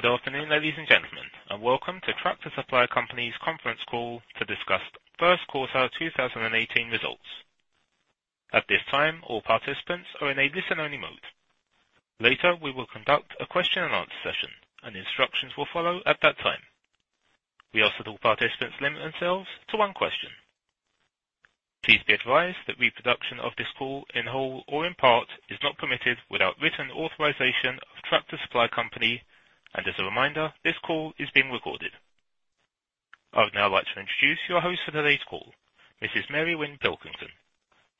Good afternoon, ladies and gentlemen, welcome to Tractor Supply Company's conference call to discuss first quarter 2018 results. At this time, all participants are in a listen-only mode. Later, we will conduct a question-and-answer session, instructions will follow at that time. We ask that all participants limit themselves to one question. Please be advised that reproduction of this call, in whole or in part, is not permitted without written authorization of Tractor Supply Company. As a reminder, this call is being recorded. I would now like to introduce your host for today's call, Mary Winn Pilkington,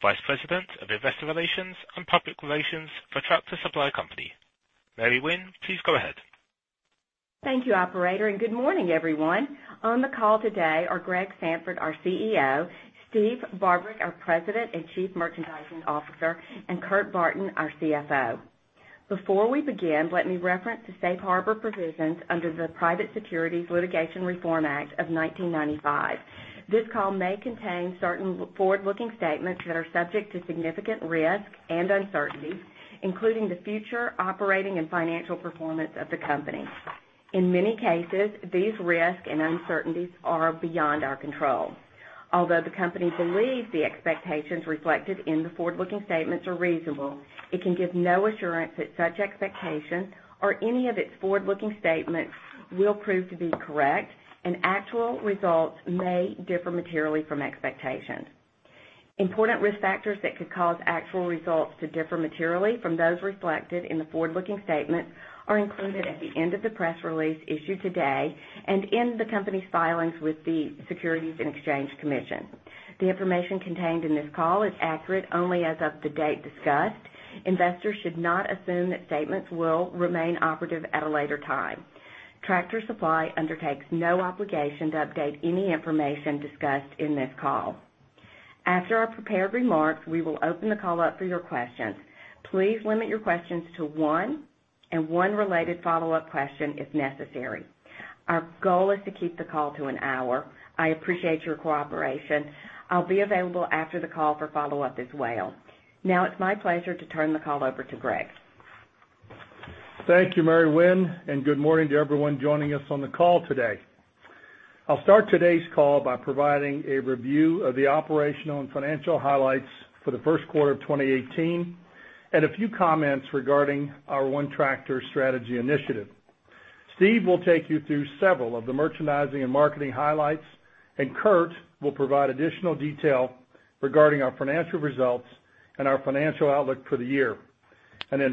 Vice President of Investor Relations and Public Relations for Tractor Supply Company. Mary Winn, please go ahead. Thank you, operator, good morning, everyone. On the call today are Greg Sandfort, our CEO, Steve Barbarick, our President and Chief Merchandising Officer, Kurt Barton, our CFO. Before we begin, let me reference the safe harbor provisions under the Private Securities Litigation Reform Act of 1995. This call may contain certain forward-looking statements that are subject to significant risk and uncertainty, including the future operating and financial performance of the company. In many cases, these risks and uncertainties are beyond our control. Although the company believes the expectations reflected in the forward-looking statements are reasonable, it can give no assurance that such expectations or any of its forward-looking statements will prove to be correct, actual results may differ materially from expectations. Important risk factors that could cause actual results to differ materially from those reflected in the forward-looking statements are included at the end of the press release issued today in the company's filings with the Securities and Exchange Commission. The information contained in this call is accurate only as of the date discussed. Investors should not assume that statements will remain operative at a later time. Tractor Supply undertakes no obligation to update any information discussed in this call. After our prepared remarks, we will open the call up for your questions. Please limit your questions to one and one related follow-up question if necessary. Our goal is to keep the call to an hour. I appreciate your cooperation. I'll be available after the call for follow-up as well. It's my pleasure to turn the call over to Greg. Thank you, Mary Winn, good morning to everyone joining us on the call today. I'll start today's call by providing a review of the operational and financial highlights for the first quarter of 2018 a few comments regarding our ONETractor strategy initiative. Steve will take you through several of the merchandising and marketing highlights, Kurt will provide additional detail regarding our financial results our financial outlook for the year.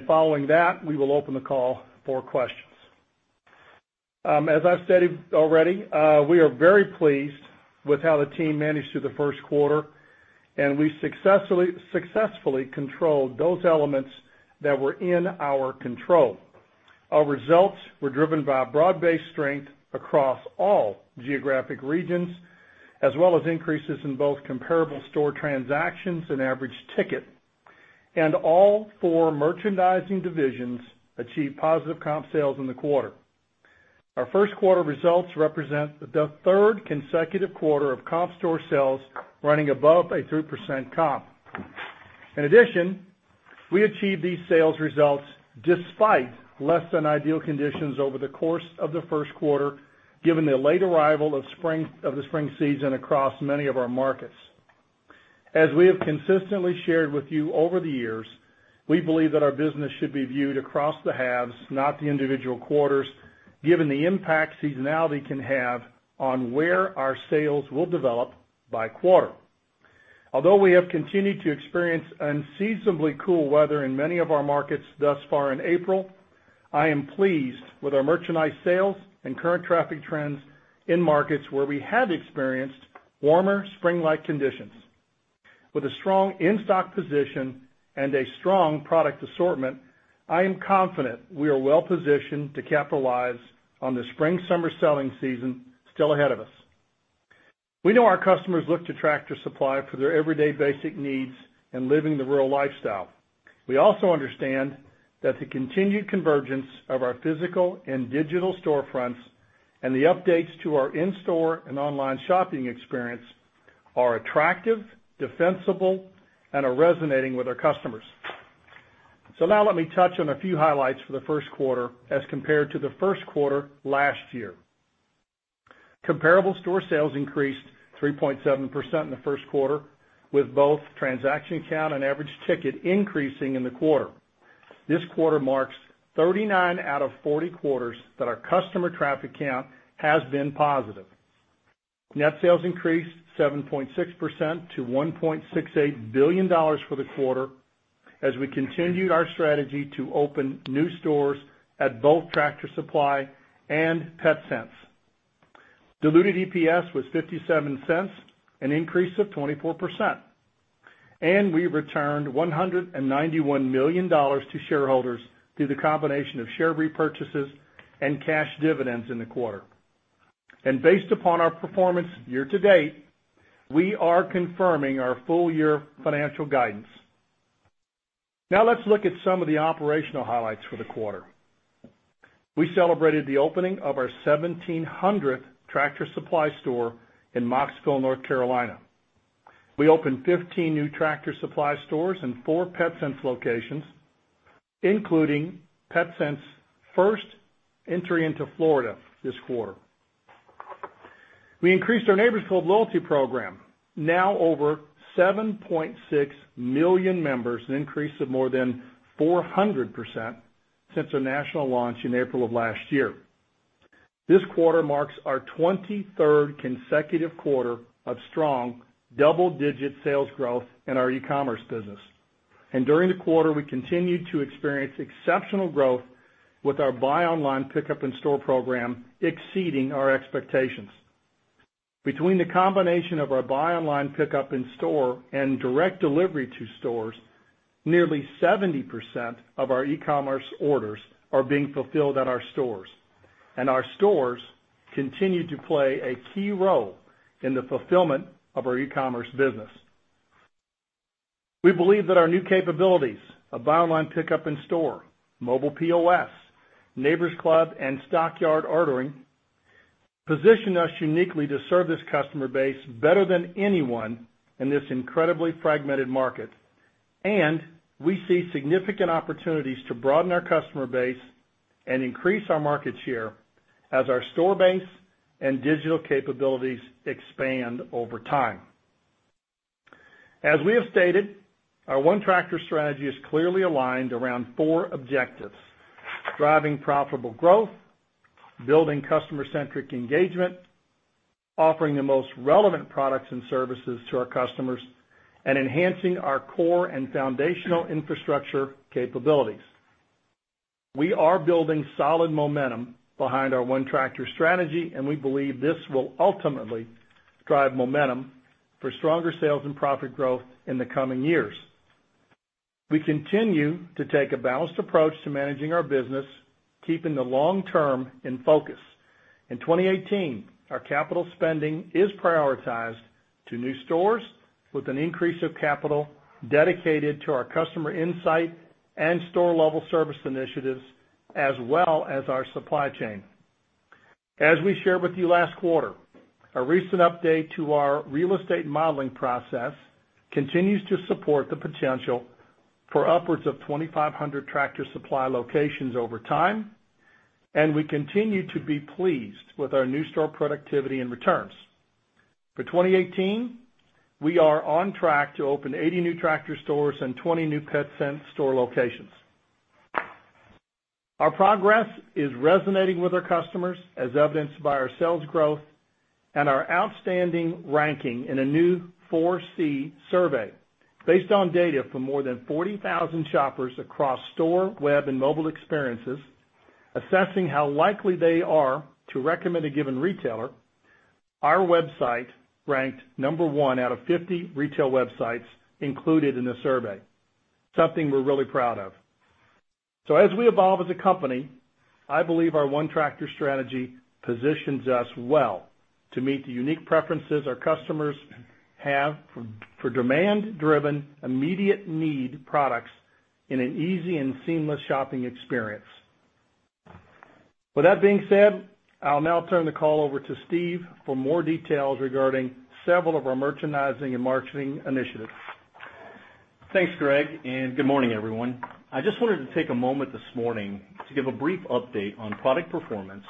Following that, we will open the call for questions. As I've stated already, we are very pleased with how the team managed through the first quarter, we successfully controlled those elements that were in our control. Our results were driven by broad-based strength across all geographic regions, as well as increases in both comparable store transactions and average ticket. All four merchandising divisions achieved positive comp sales in the quarter. Our first quarter results represent the third consecutive quarter of comp store sales running above a 3% comp. We achieved these sales results despite less than ideal conditions over the course of the first quarter, given the late arrival of the spring season across many of our markets. As we have consistently shared with you over the years, we believe that our business should be viewed across the halves, not the individual quarters, given the impact seasonality can have on where our sales will develop by quarter. Although we have continued to experience unseasonably cool weather in many of our markets thus far in April, I am pleased with our merchandise sales and current traffic trends in markets where we have experienced warmer, spring-like conditions. With a strong in-stock position and a strong product assortment, I am confident we are well-positioned to capitalize on the spring-summer selling season still ahead of us. We know our customers look to Tractor Supply for their everyday basic needs in living the rural lifestyle. We also understand that the continued convergence of our physical and digital storefronts and the updates to our in-store and online shopping experience are attractive, defensible, and are resonating with our customers. Now let me touch on a few highlights for the first quarter as compared to the first quarter last year. Comparable store sales increased 3.7% in the first quarter, with both transaction count and average ticket increasing in the quarter. This quarter marks 39 out of 40 quarters that our customer traffic count has been positive. Net sales increased 7.6% to $1.68 billion for the quarter as we continued our strategy to open new stores at both Tractor Supply and Petsense. Diluted EPS was $0.57, an increase of 24%. We returned $191 million to shareholders through the combination of share repurchases and cash dividends in the quarter. Based upon our performance year-to-date, we are confirming our full-year financial guidance. Now let's look at some of the operational highlights for the quarter. We celebrated the opening of our 1,700th Tractor Supply store in Mocksville, North Carolina. We opened 15 new Tractor Supply stores and four Petsense locations, including Petsense first entry into Florida this quarter. We increased our Neighbor's Club loyalty program, now over 7.6 million members, an increase of more than 400% since our national launch in April of last year. This quarter marks our 23rd consecutive quarter of strong double-digit sales growth in our e-commerce business. During the quarter, we continued to experience exceptional growth with our Buy Online Pickup In-Store program, exceeding our expectations. Between the combination of our Buy Online Pickup In-Store and direct delivery to stores, nearly 70% of our e-commerce orders are being fulfilled at our stores. Our stores continue to play a key role in the fulfillment of our e-commerce business. We believe that our new capabilities of Buy Online Pickup In-Store, mobile POS, Neighbor's Club, and Stockyard ordering position us uniquely to serve this customer base better than anyone in this incredibly fragmented market. We see significant opportunities to broaden our customer base and increase our market share as our store base and digital capabilities expand over time. As we have stated, our ONETractor strategy is clearly aligned around four objectives: driving profitable growth, building customer-centric engagement, offering the most relevant products and services to our customers, and enhancing our core and foundational infrastructure capabilities. We are building solid momentum behind our ONETractor strategy, and we believe this will ultimately drive momentum for stronger sales and profit growth in the coming years. We continue to take a balanced approach to managing our business, keeping the long term in focus. In 2018, our capital spending is prioritized to new stores with an increase of capital dedicated to our customer insight and store-level service initiatives, as well as our supply chain. As we shared with you last quarter, a recent update to our real estate modeling process continues to support the potential for upwards of 2,500 Tractor Supply locations over time, and we continue to be pleased with our new store productivity and returns. For 2018, we are on track to open 80 new Tractor stores and 20 new Petsense store locations. Our progress is resonating with our customers, as evidenced by our sales growth and our outstanding ranking in a new ForeSee survey based on data from more than 40,000 shoppers across store, web, and mobile experiences, assessing how likely they are to recommend a given retailer. Our website ranked number one out of 50 retail websites included in the survey, something we're really proud of. As we evolve as a company, I believe our ONETractor strategy positions us well to meet the unique preferences our customers have for demand-driven, immediate need products in an easy and seamless shopping experience. With that being said, I'll now turn the call over to Steve for more details regarding several of our merchandising and marketing initiatives. Thanks, Greg, and good morning, everyone. I just wanted to take a moment this morning to give a brief update on product performance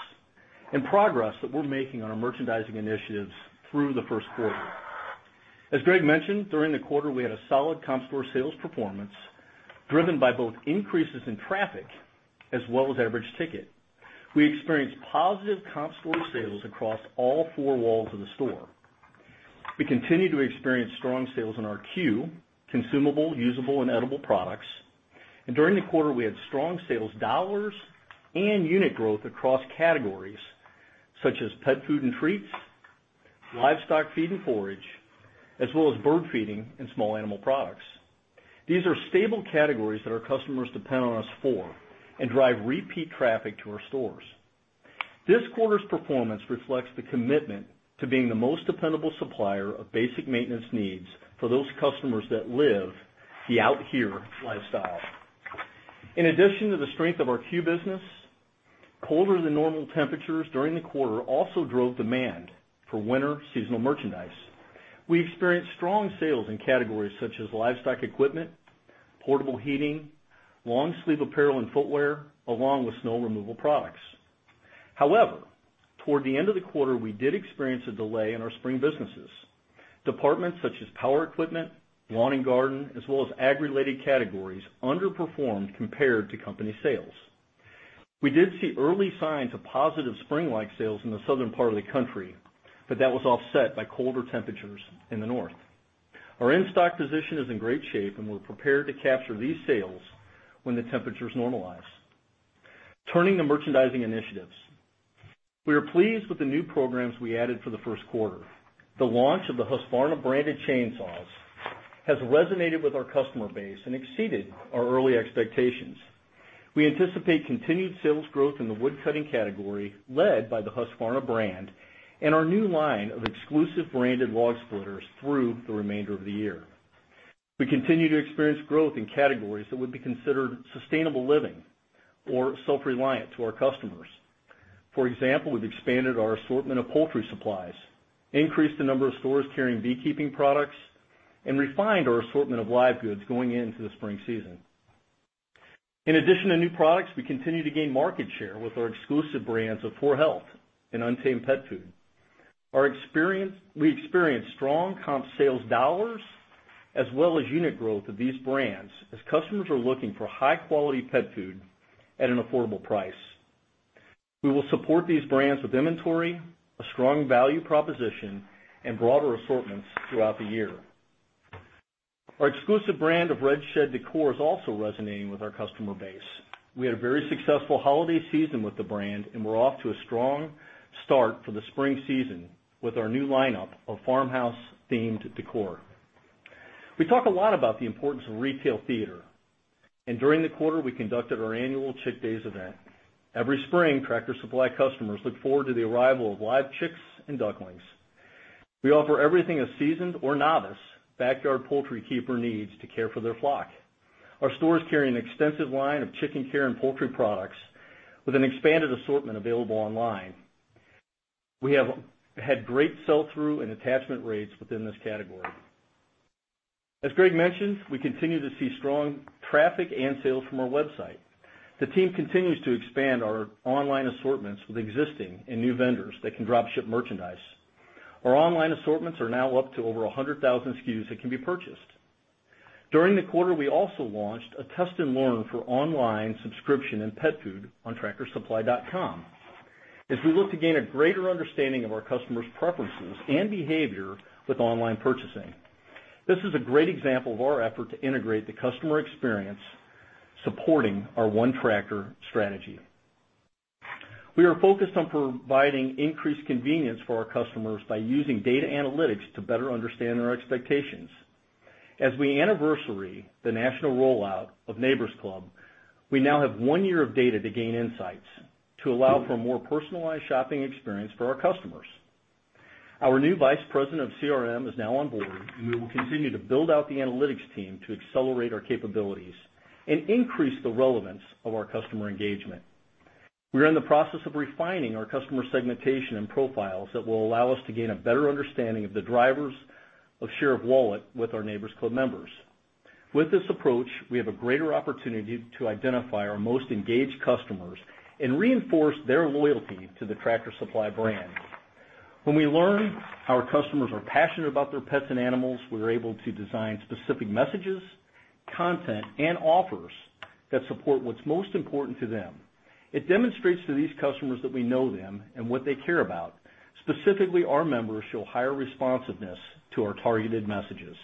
and progress that we're making on our merchandising initiatives through the first quarter. As Greg mentioned, during the quarter, we had a solid comp store sales performance driven by both increases in traffic as well as average ticket. We experienced positive comp store sales across all four walls of the store. We continue to experience strong sales in our CUE, consumable, usable, and edible products. During the quarter, we had strong sales dollars and unit growth across categories such as pet food and treats, livestock feed and forage, as well as bird feeding and small animal products. These are stable categories that our customers depend on us for and drive repeat traffic to our stores. This quarter's performance reflects the commitment to being the most dependable supplier of basic maintenance needs for those customers that live the Out Here lifestyle. In addition to the strength of our CUE business, colder than normal temperatures during the quarter also drove demand for winter seasonal merchandise. We experienced strong sales in categories such as livestock equipment, portable heating, long-sleeve apparel, and footwear, along with snow removal products. Toward the end of the quarter, we did experience a delay in our spring businesses. Departments such as power equipment, lawn and garden, as well as ag-related categories underperformed compared to company sales. We did see early signs of positive spring-like sales in the southern part of the country, that was offset by colder temperatures in the north. Our in-stock position is in great shape, and we're prepared to capture these sales when the temperatures normalize. Turning to merchandising initiatives. We are pleased with the new programs we added for the first quarter. The launch of the Husqvarna-branded chainsaws has resonated with our customer base and exceeded our early expectations. We anticipate continued sales growth in the wood-cutting category led by the Husqvarna brand and our new line of exclusive branded log splitters through the remainder of the year. We continue to experience growth in categories that would be considered sustainable living or self-reliant to our customers. For example, we've expanded our assortment of poultry supplies, increased the number of stores carrying beekeeping products, and refined our assortment of live goods going into the spring season. In addition to new products, we continue to gain market share with our exclusive brands of 4health and Untamed Pet Food. We experienced strong comp sales dollars as well as unit growth of these brands as customers are looking for high-quality pet food at an affordable price. We will support these brands with inventory, a strong value proposition, and broader assortments throughout the year. Our exclusive brand of Red Shed décor is also resonating with our customer base. We had a very successful holiday season with the brand, and we're off to a strong start for the spring season with our new lineup of farmhouse-themed décor. We talk a lot about the importance of retail theater. During the quarter, we conducted our annual Chick Days event. Every spring, Tractor Supply customers look forward to the arrival of live chicks and ducklings. We offer everything a seasoned or novice backyard poultry keeper needs to care for their flock. Our stores carry an extensive line of chicken care and poultry products with an expanded assortment available online. We have had great sell-through and attachment rates within this category. As Greg mentioned, we continue to see strong traffic and sales from our website. The team continues to expand our online assortments with existing and new vendors that can drop ship merchandise. Our online assortments are now up to over 100,000 SKUs that can be purchased. During the quarter, we also launched a test and learn for online subscription and pet food on tractorsupply.com as we look to gain a greater understanding of our customers' preferences and behavior with online purchasing. This is a great example of our effort to integrate the customer experience supporting our ONETractor strategy. We are focused on providing increased convenience for our customers by using data analytics to better understand our expectations. As we anniversary the national rollout of Neighbor's Club, we now have one year of data to gain insights to allow for a more personalized shopping experience for our customers. Our new vice president of CRM is now on board, we will continue to build out the analytics team to accelerate our capabilities and increase the relevance of our customer engagement. We are in the process of refining our customer segmentation and profiles that will allow us to gain a better understanding of the drivers of share of wallet with our Neighbor's Club members. With this approach, we have a greater opportunity to identify our most engaged customers and reinforce their loyalty to the Tractor Supply brand. When we learn our customers are passionate about their pets and animals, we're able to design specific messages, content, and offers that support what's most important to them. It demonstrates to these customers that we know them and what they care about. Specifically, our members show higher responsiveness to our targeted messages.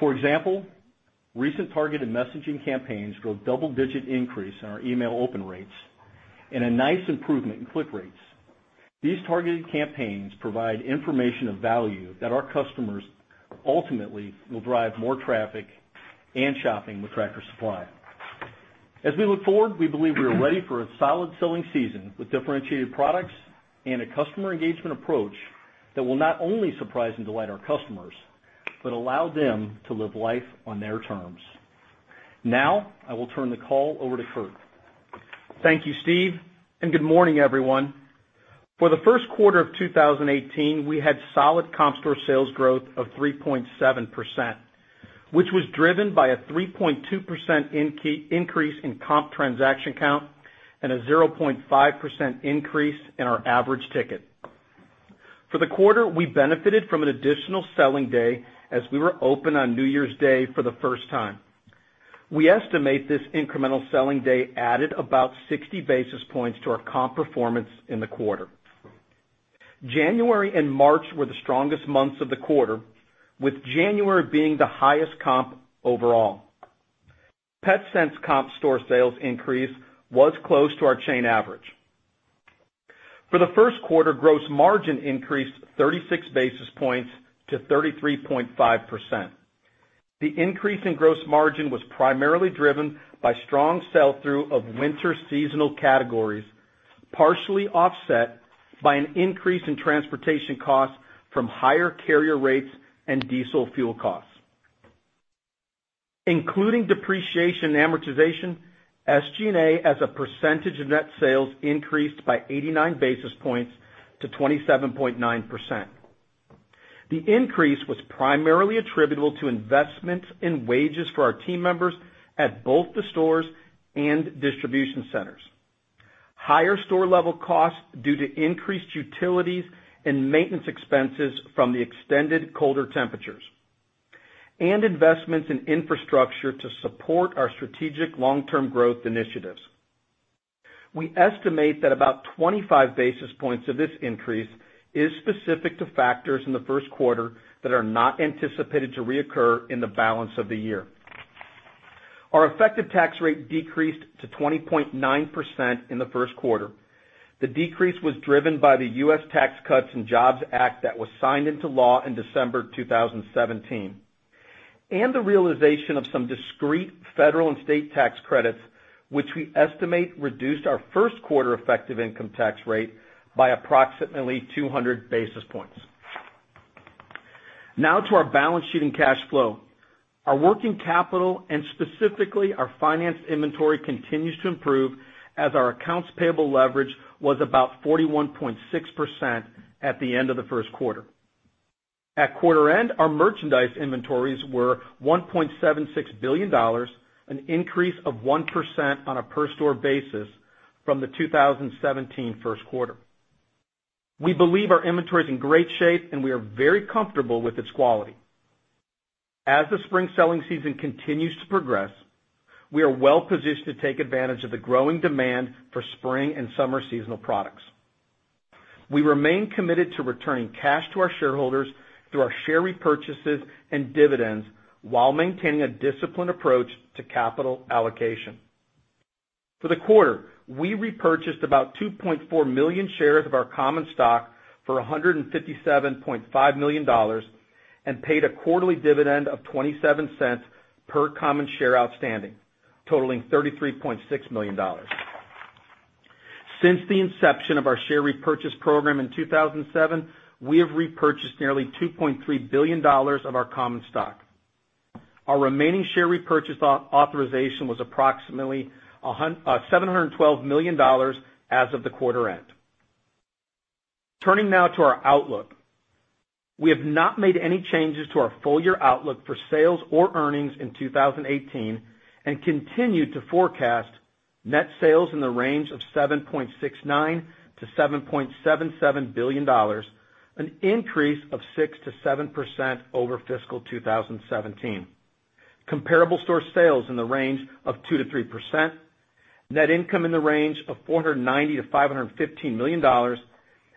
For example, recent targeted messaging campaigns saw a double-digit increase in our email open rates and a nice improvement in click rates. These targeted campaigns provide information of value that our customers ultimately will drive more traffic and shopping with Tractor Supply. As we look forward, we believe we are ready for a solid selling season with differentiated products and a customer engagement approach that will not only surprise and delight our customers but allow them to live life on their terms. Now, I will turn the call over to Kurt. Thank you, Steve, and good morning, everyone. For the first quarter of 2018, we had solid comp store sales growth of 3.7%, which was driven by a 3.2% increase in comp transaction count and a 0.5% increase in our average ticket. For the quarter, we benefited from an additional selling day as we were open on New Year's Day for the first time. We estimate this incremental selling day added about 60 basis points to our comp performance in the quarter. January and March were the strongest months of the quarter, with January being the highest comp overall. Petsense comp store sales increase was close to our chain average. For the first quarter, gross margin increased 36 basis points to 33.5%. The increase in gross margin was primarily driven by strong sell-through of winter seasonal categories, partially offset by an increase in transportation costs from higher carrier rates and diesel fuel costs. Including depreciation and amortization, SG&A as a percentage of net sales increased by 89 basis points to 27.9%. The increase was primarily attributable to investments in wages for our team members at both the stores and distribution centers. Higher store-level costs, due to increased utilities and maintenance expenses from the extended colder temperatures, and investments in infrastructure to support our strategic long-term growth initiatives. We estimate that about 25 basis points of this increase is specific to factors in the first quarter that are not anticipated to reoccur in the balance of the year. Our effective tax rate decreased to 20.9% in the first quarter. The decrease was driven by the U.S. Tax Cuts and Jobs Act that was signed into law in December 2017, and the realization of some discrete federal and state tax credits. Which we estimate reduced our first quarter effective income tax rate by approximately 200 basis points. Now to our balance sheet and cash flow. Our working capital, and specifically our finance inventory, continues to improve as our accounts payable leverage was about 41.6% at the end of the first quarter. At quarter end, our merchandise inventories were $1.76 billion, an increase of 1% on a per store basis from the 2017 first quarter. We believe our inventory is in great shape, and we are very comfortable with its quality. As the spring selling season continues to progress, we are well-positioned to take advantage of the growing demand for spring and summer seasonal products. We remain committed to returning cash to our shareholders through our share repurchases and dividends while maintaining a disciplined approach to capital allocation. For the quarter, we repurchased about 2.4 million shares of our common stock for $157.5 million and paid a quarterly dividend of $0.27 per common share outstanding, totaling $33.6 million. Since the inception of our share repurchase program in 2007, we have repurchased nearly $2.3 billion of our common stock. Our remaining share repurchase authorization was approximately $712 million as of the quarter end. Turning now to our outlook. We have not made any changes to our full-year outlook for sales or earnings in 2018 and continue to forecast net sales in the range of $7.69 billion-$7.77 billion, an increase of 6%-7% over fiscal 2017. Comparable store sales in the range of 2%-3%, net income in the range of $490 million-$515 million,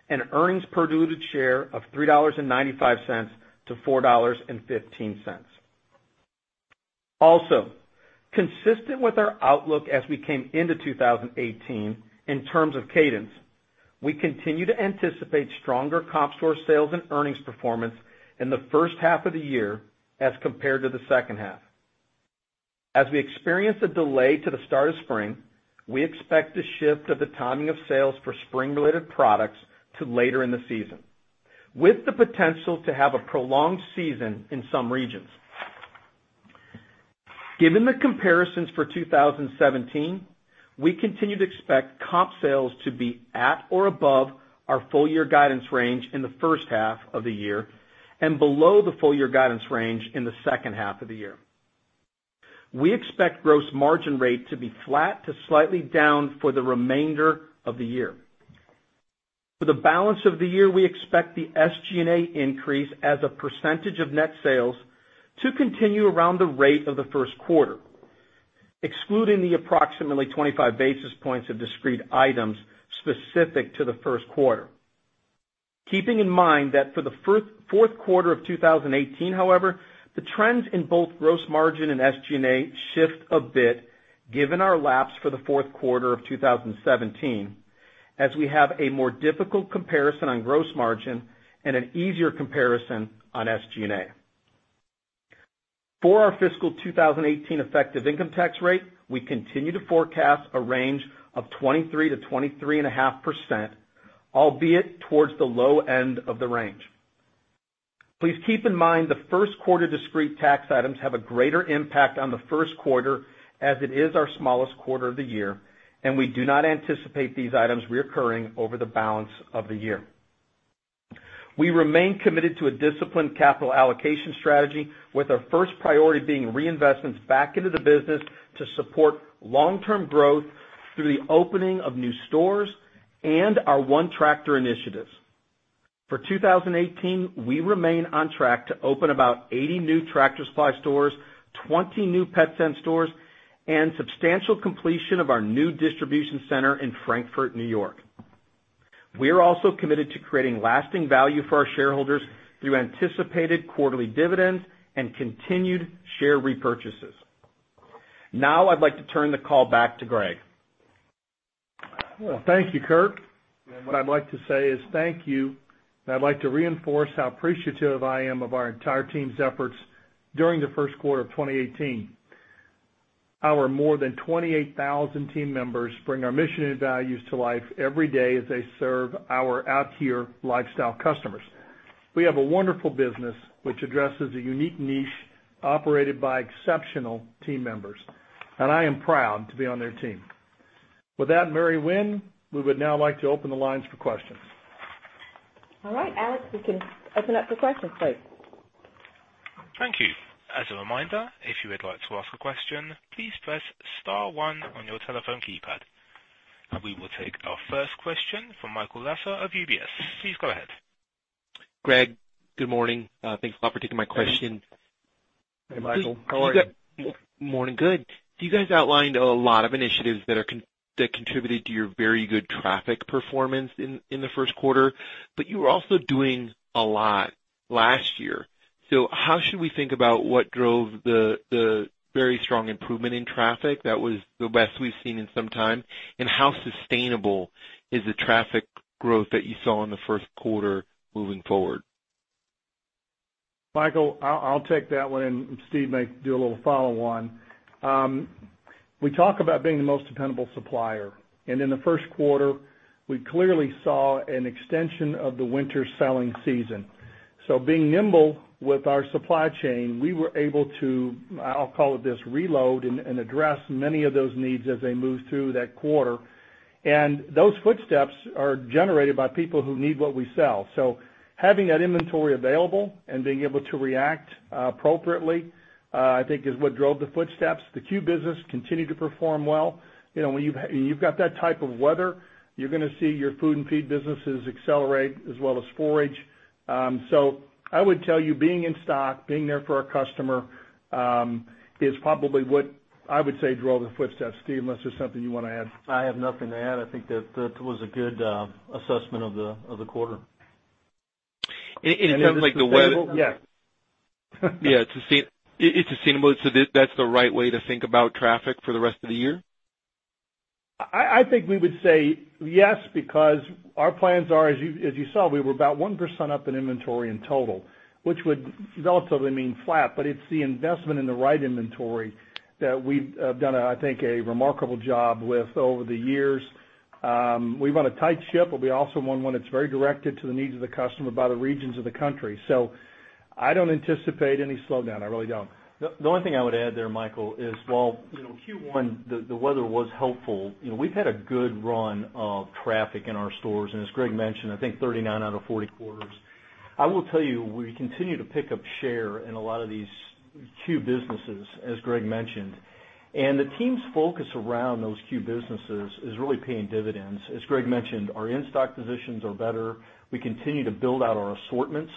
and earnings per diluted share of $3.95-$4.15. Also, consistent with our outlook as we came into 2018 in terms of cadence, we continue to anticipate stronger comp store sales and earnings performance in the first half of the year as compared to the second half. As we experience a delay to the start of spring, we expect a shift of the timing of sales for spring-related products to later in the season, with the potential to have a prolonged season in some regions. Given the comparisons for 2017, we continue to expect comp sales to be at or above our full-year guidance range in the first half of the year and below the full-year guidance range in the second half of the year. We expect gross margin rate to be flat to slightly down for the remainder of the year. For the balance of the year, we expect the SG&A increase as a percentage of net sales to continue around the rate of the first quarter, excluding the approximately 25 basis points of discrete items specific to the first quarter. Keeping in mind that for the fourth quarter of 2018, however, the trends in both gross margin and SG&A shift a bit given our laps for the fourth quarter of 2017, as we have a more difficult comparison on gross margin and an easier comparison on SG&A. For our fiscal 2018 effective income tax rate, we continue to forecast a range of 23%-23.5%, albeit towards the low end of the range. Please keep in mind the first quarter discrete tax items have a greater impact on the first quarter, as it is our smallest quarter of the year, and we do not anticipate these items reoccurring over the balance of the year. We remain committed to a disciplined capital allocation strategy, with our first priority being reinvestments back into the business to support long-term growth through the opening of new stores and our ONETractor initiatives. For 2018, we remain on track to open about 80 new Tractor Supply stores, 20 new Petsense stores, and substantial completion of our new distribution center in Frankfort, New York. We are also committed to creating lasting value for our shareholders through anticipated quarterly dividends and continued share repurchases. I'd like to turn the call back to Greg. Well, thank you, Kurt. What I'd like to say is thank you, and I'd like to reinforce how appreciative I am of our entire team's efforts during the first quarter of 2018. Our more than 28,000 team members bring our mission and values to life every day as they serve our Out Here lifestyle customers. We have a wonderful business which addresses a unique niche operated by exceptional team members, and I am proud to be on their team. With that, Mary Winn, we would now like to open the lines for questions. All right, Alex, we can open up for questions, please. Thank you. As a reminder, if you would like to ask a question, please press star one on your telephone keypad. We will take our first question from Michael Lasser of UBS. Please go ahead. Greg, good morning. Thanks a lot for taking my question. Hey, Michael. How are you? Morning. Good. You guys outlined a lot of initiatives that contributed to your very good traffic performance in the first quarter, you were also doing a lot last year. How should we think about what drove the very strong improvement in traffic that was the best we've seen in some time, and how sustainable is the traffic growth that you saw in the first quarter moving forward? Michael, I'll take that one, and Steve may do a little follow-on. We talk about being the most dependable supplier. In the first quarter, we clearly saw an extension of the winter selling season. Being nimble with our supply chain, we were able to, I'll call it this, reload and address many of those needs as they moved through that quarter. Those footsteps are generated by people who need what we sell. Having that inventory available and being able to react appropriately, I think is what drove the footsteps. The CUE business continued to perform well. When you've got that type of weather, you're going to see your food and feed businesses accelerate as well as forage. I would tell you, being in stock, being there for our customer, is probably what I would say drove the footsteps. Steve, unless there's something you want to add. I have nothing to add. I think that was a good assessment of the quarter. It sounds like the weather. Yeah. Yeah. It's sustainable. That's the right way to think about traffic for the rest of the year? I think we would say yes, because our plans are, as you saw, we were about 1% up in inventory in total, which would relatively mean flat, but it's the investment in the right inventory that we've done, I think, a remarkable job with over the years. We run a tight ship, but we also run one that's very directed to the needs of the customer by the regions of the country. I don't anticipate any slowdown. I really don't. The only thing I would add there, Michael, is while Q1, the weather was helpful, we've had a good run of traffic in our stores. As Greg mentioned, I think 39 out of 40 quarters. I will tell you, we continue to pick up share in a lot of these CUE businesses, as Greg mentioned. The team's focus around those CUE businesses is really paying dividends. As Greg mentioned, our in-stock positions are better. We continue to build out our assortments,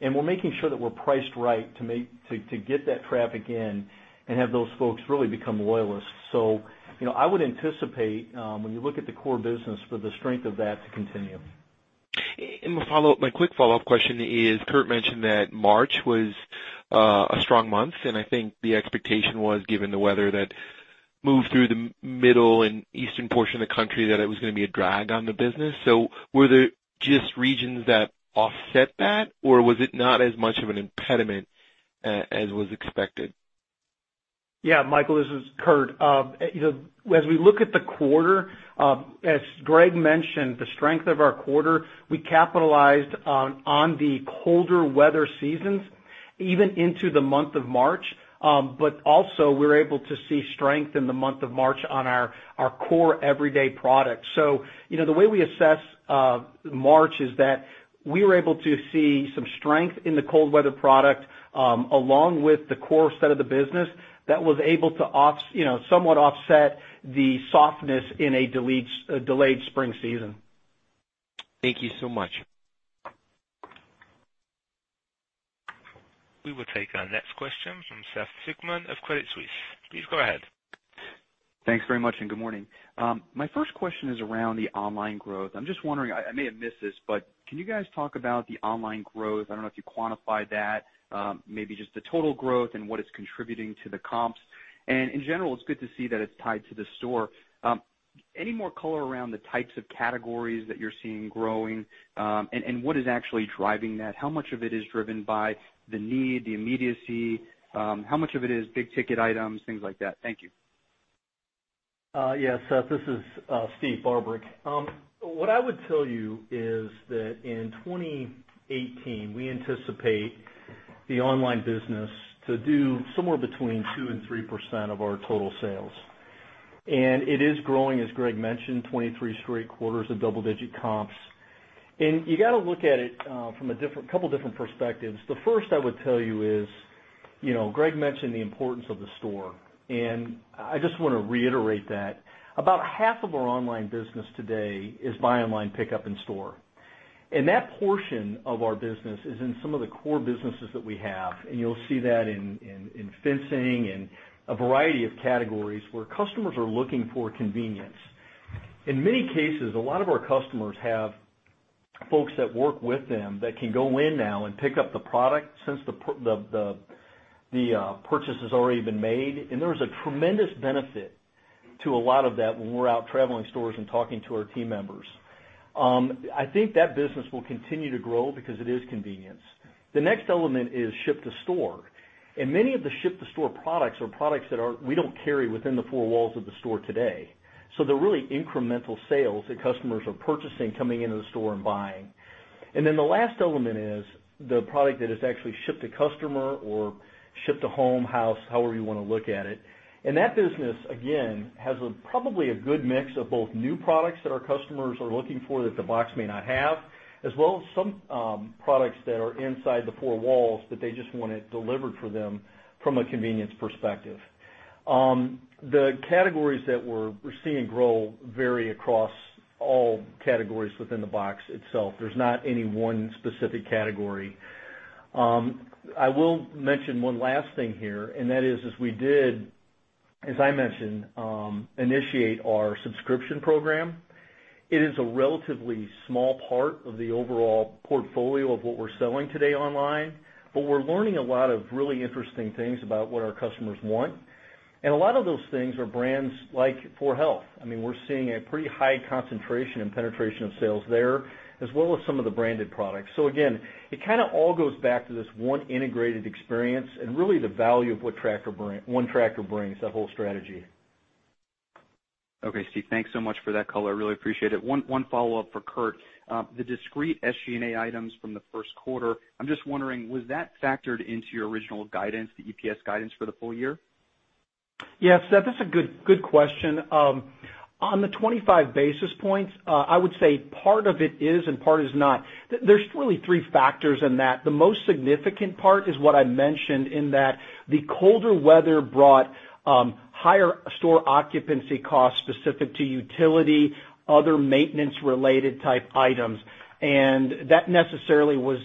and we're making sure that we're priced right to get that traffic in and have those folks really become loyalists. I would anticipate, when you look at the core business for the strength of that to continue. My quick follow-up question is, Kurt mentioned that March was a strong month, and I think the expectation was given the weather that moved through the middle and eastern portion of the country, that it was going to be a drag on the business. Were there just regions that offset that, or was it not as much of an impediment as was expected? Yeah. Michael, this is Kurt. As we look at the quarter, as Greg mentioned, the strength of our quarter, we capitalized on the colder weather seasons, even into the month of March. Also we were able to see strength in the month of March on our core everyday product. The way we assess March is that we were able to see some strength in the cold weather product, along with the core set of the business that was able to somewhat offset the softness in a delayed spring season. Thank you so much. We will take our next question from Seth Sigman of Credit Suisse. Please go ahead. Thanks very much. Good morning. My first question is around the online growth. I'm just wondering, I may have missed this, but can you guys talk about the online growth? I don't know if you quantified that. Maybe just the total growth and what it's contributing to the comps. In general, it's good to see that it's tied to the store. Any more color around the types of categories that you're seeing growing, and what is actually driving that? How much of it is driven by the need, the immediacy? How much of it is big-ticket items, things like that? Thank you. Seth, this is Steve Barbarick. What I would tell you is that in 2018, we anticipate the online business to do somewhere between 2%-3% of our total sales. It is growing, as Greg mentioned, 23 straight quarters of double-digit comps. You got to look at it from a couple different perspectives. The first I would tell you is, Greg mentioned the importance of the store, and I just want to reiterate that. About half of our online business today is buy online, pickup in store. That portion of our business is in some of the core businesses that we have, and you'll see that in fencing and a variety of categories where customers are looking for convenience. In many cases, a lot of our customers have folks that work with them that can go in now and pick up the product since the purchase has already been made, there is a tremendous benefit to a lot of that when we're out traveling stores and talking to our team members. I think that business will continue to grow because it is convenience. The next element is ship to store. Many of the ship to store products are products that we don't carry within the four walls of the store today. They're really incremental sales that customers are purchasing coming into the store and buying. The last element is the product that is actually shipped to customer or shipped to home, house, however you want to look at it. That business, again, has probably a good mix of both new products that our customers are looking for that the box may not have, as well as some products that are inside the four walls that they just want it delivered for them from a convenience perspective. The categories that we're seeing grow vary across all categories within the box itself. There's not any one specific category. I will mention one last thing here, and that is, as we did, as I mentioned, initiate our subscription program. It is a relatively small part of the overall portfolio of what we're selling today online, but we're learning a lot of really interesting things about what our customers want. A lot of those things are brands like 4health. We're seeing a pretty high concentration and penetration of sales there, as well as some of the branded products. Again, it all goes back to this one integrated experience and really the value of what ONETractor brings, that whole strategy. Okay, Steve, thanks so much for that color. I really appreciate it. One follow-up for Kurt. The discrete SG&A items from the first quarter, I'm just wondering, was that factored into your original guidance, the EPS guidance for the full year? Seth, that's a good question. On the 25 basis points, I would say part of it is and part is not. There's really three factors in that. The most significant part is what I mentioned in that the colder weather brought higher store occupancy costs specific to utility, other maintenance related type items, and that necessarily was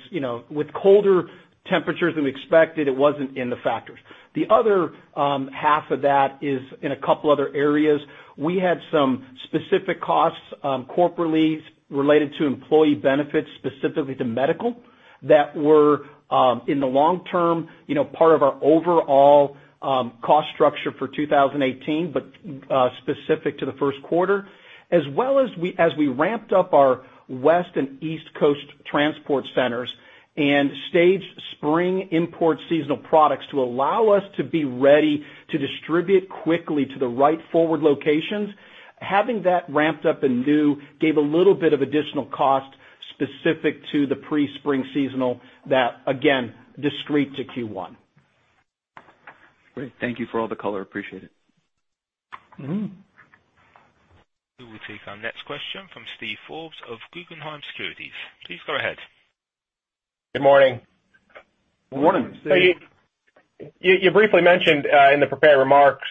with colder temperatures than we expected, it wasn't in the factors. The other half of that is in a couple other areas. We had some specific costs corporately related to employee benefits, specifically to medical, that were in the long term, part of our overall cost structure for 2018, but specific to the first quarter. As well as we ramped up our West and East Coast transport centers and staged spring import seasonal products to allow us to be ready to distribute quickly to the right forward locations. Having that ramped up and new gave a little bit of additional cost specific to the pre-spring seasonal that, again, discrete to Q1. Great. Thank you for all the color. Appreciate it. We will take our next question from Steven Forbes of Guggenheim Securities. Please go ahead. Good morning. Morning. Morning. You briefly mentioned in the prepared remarks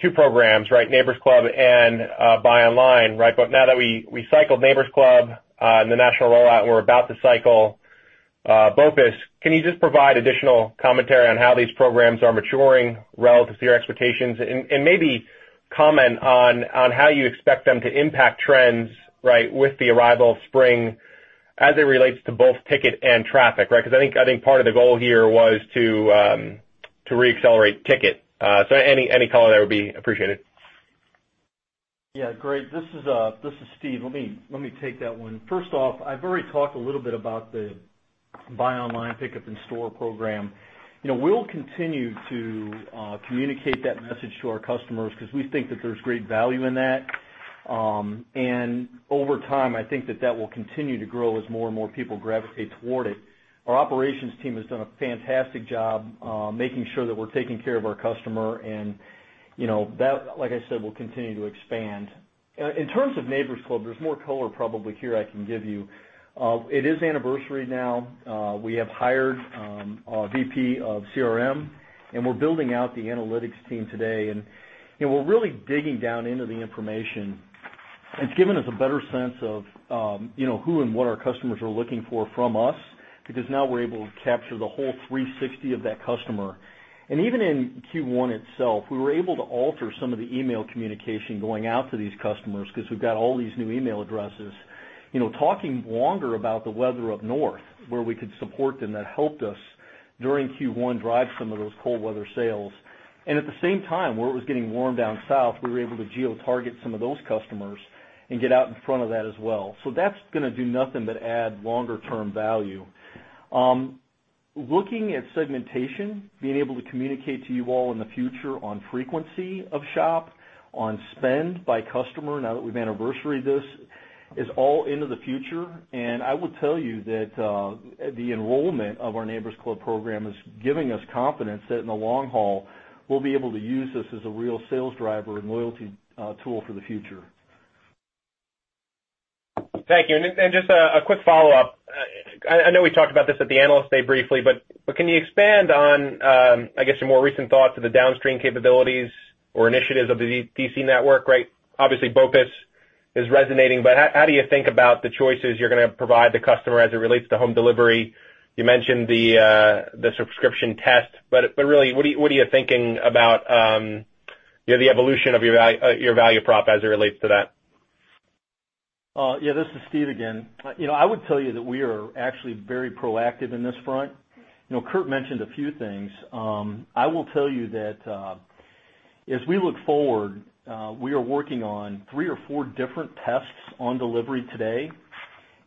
two programs, Neighbor's Club and Buy Online. Now that we cycled Neighbor's Club in the national rollout, we're about to cycle BOPUS. Can you just provide additional commentary on how these programs are maturing relative to your expectations? Maybe comment on how you expect them to impact trends with the arrival of spring as it relates to both ticket and traffic. I think part of the goal here was to re-accelerate ticket. Any color there would be appreciated. Yeah, great. This is Steve. Let me take that one. First off, I've already talked a little bit about the Buy Online Pickup in Store program. We'll continue to communicate that message to our customers because we think that there's great value in that. Over time, I think that that will continue to grow as more and more people gravitate toward it. Our operations team has done a fantastic job making sure that we're taking care of our customer and that, like I said, will continue to expand. In terms of Neighbor's Club, there's more color probably here I can give you. It is anniversary now. We have hired a VP of CRM, and we're building out the analytics team today. We're really digging down into the information. It's given us a better sense of who and what our customers are looking for from us, because now we're able to capture the whole 360 of that customer. Even in Q1 itself, we were able to alter some of the email communication going out to these customers because we've got all these new email addresses. Talking longer about the weather up north, where we could support them, that helped us during Q1 drive some of those cold weather sales. At the same time, where it was getting warm down south, we were able to geo-target some of those customers and get out in front of that as well. That's going to do nothing but add longer term value. Looking at segmentation, being able to communicate to you all in the future on frequency of shop, on spend by customer now that we've anniversaried this, is all into the future. I will tell you that the enrollment of our Neighbor's Club program is giving us confidence that in the long haul, we'll be able to use this as a real sales driver and loyalty tool for the future. Thank you. Just a quick follow-up. I know we talked about this at the Analyst Day briefly, but can you expand on, I guess, your more recent thoughts of the downstream capabilities or initiatives of the DC network? Obviously BOPUS is resonating, but how do you think about the choices you're going to provide the customer as it relates to home delivery? You mentioned the subscription test, but really, what are you thinking about the evolution of your value prop as it relates to that? This is Steve again. I would tell you that we are actually very proactive in this front. Kurt mentioned a few things. I will tell you that as we look forward, we are working on three or four different tests on delivery today,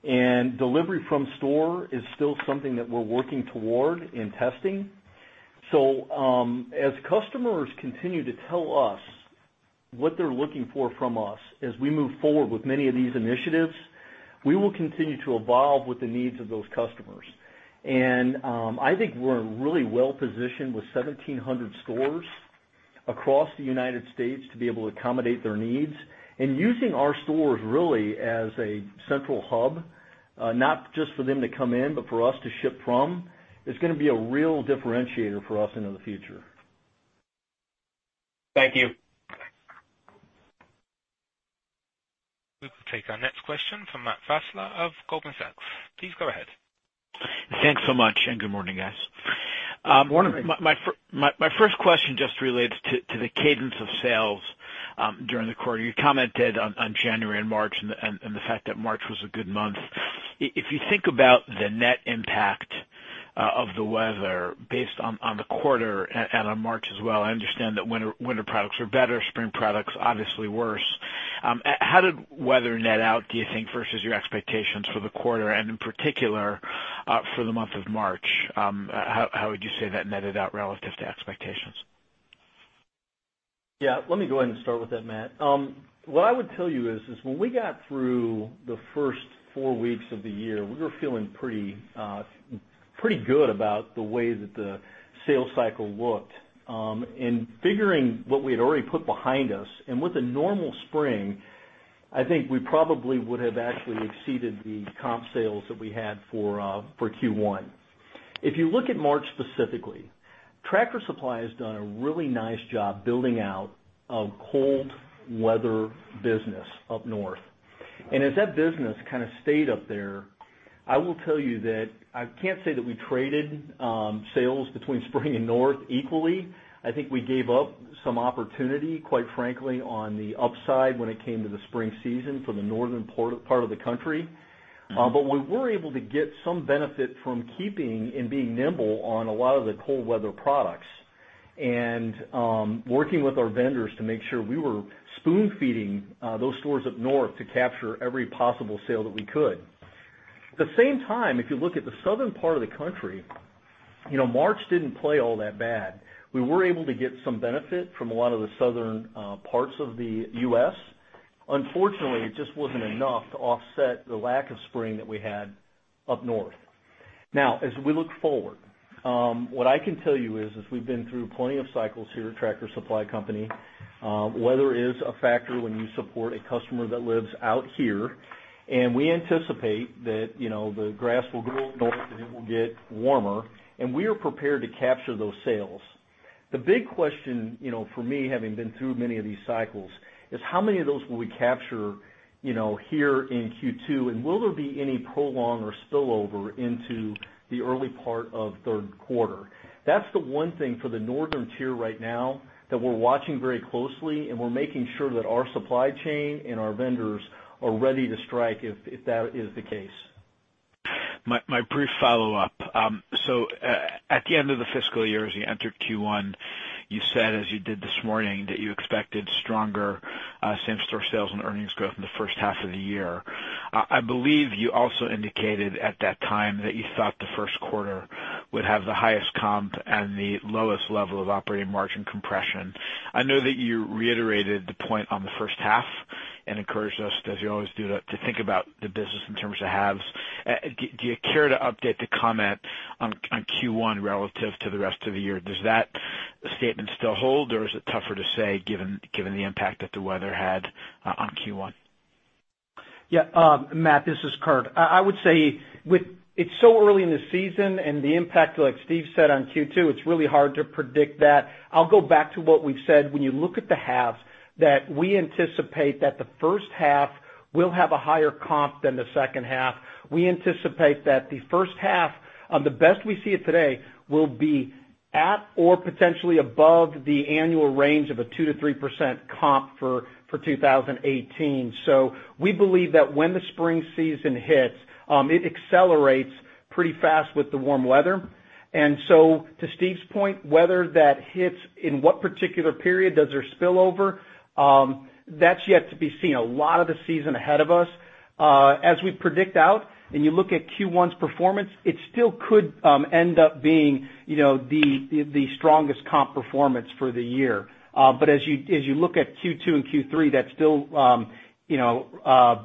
and delivery from store is still something that we're working toward in testing. As customers continue to tell us what they're looking for from us as we move forward with many of these initiatives, we will continue to evolve with the needs of those customers. I think we're really well positioned with 1,700 stores across the United States to be able to accommodate their needs and using our stores really as a central hub, not just for them to come in, but for us to ship from, is going to be a real differentiator for us into the future. Thank you. We will take our next question from Matt Fassler of Goldman Sachs. Please go ahead. Thanks so much, good morning, guys. Good morning. My first question just relates to the cadence of sales during the quarter. You commented on January and March and the fact that March was a good month. If you think about the net impact of the weather based on the quarter and on March as well. I understand that winter products are better, spring products, obviously worse. How did weather net out, do you think, versus your expectations for the quarter and in particular for the month of March? How would you say that netted out relative to expectations? Let me go ahead and start with that, Matt. What I would tell you is when we got through the first four weeks of the year, we were feeling pretty good about the way that the sales cycle looked. Figuring what we had already put behind us and with a normal spring, I think we probably would have actually exceeded the comp sales that we had for Q1. If you look at March specifically, Tractor Supply has done a really nice job building out a cold weather business up north. As that business kind of stayed up there, I will tell you that I can't say that we traded sales between spring and north equally. I think we gave up some opportunity, quite frankly, on the upside when it came to the spring season for the northern part of the country. We were able to get some benefit from keeping and being nimble on a lot of the cold weather products and working with our vendors to make sure we were spoon-feeding those stores up north to capture every possible sale that we could. At the same time, if you look at the southern part of the country, March didn't play all that bad. We were able to get some benefit from a lot of the southern parts of the U.S. Unfortunately, it just wasn't enough to offset the lack of spring that we had up north. As we look forward, what I can tell you is, as we've been through plenty of cycles here at Tractor Supply Company, weather is a factor when you support a customer that lives out here, and we anticipate that the grass will grow north and it will get warmer, and we are prepared to capture those sales. The big question for me, having been through many of these cycles, is how many of those will we capture here in Q2, and will there be any prolong or spillover into the early part of third quarter? That's the one thing for the northern tier right now that we're watching very closely, and we're making sure that our supply chain and our vendors are ready to strike if that is the case. My brief follow-up. At the end of the fiscal year, as you entered Q1, you said, as you did this morning, that you expected stronger same-store sales and earnings growth in the first half of the year. I believe you also indicated at that time that you thought the first quarter would have the highest comp and the lowest level of operating margin compression. I know that you reiterated the point on the first half and encouraged us, as you always do, to think about the business in terms of halves. Do you care to update the comment on Q1 relative to the rest of the year? Does that statement still hold, or is it tougher to say given the impact that the weather had on Q1? Yeah, Matt, this is Kurt. I would say it's so early in the season and the impact, like Steve said, on Q2, it's really hard to predict that. I'll go back to what we've said when you look at the halves, that we anticipate that the first half will have a higher comp than the second half. We anticipate that the first half, the best we see it today, will be at or potentially above the annual range of a 2%-3% comp for 2018. We believe that when the spring season hits, it accelerates pretty fast with the warm weather. To Steve's point, whether that hits in what particular period does or spill over, that's yet to be seen. A lot of the season ahead of us. As we predict out and you look at Q1's performance, it still could end up being the strongest comp performance for the year. As you look at Q2 and Q3, that still